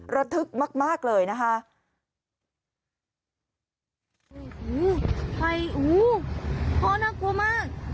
ระทึกมากมากเลยนะคะ